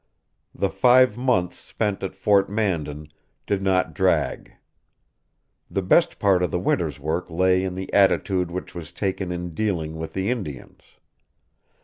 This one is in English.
The five months spent at Fort Mandan did not drag. The best part of the winter's work lay in the attitude which was taken in dealing with the Indians.